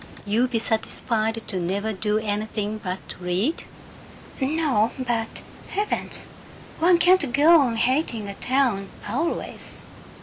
"You be satisfied to never do anything but read?" "No, but Heavens, one can't go on hating a town always!"